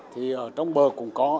thì ở trong bờ cũng có